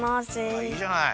あっいいじゃない。